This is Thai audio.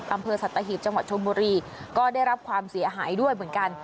อำเภอสัตหีบจังหวัดชนบุรีก็ได้รับความเสียหายด้วยเหมือนกัน